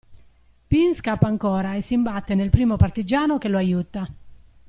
Pin scappa ancora e si imbatte nel primo partigiano che lo aiuta.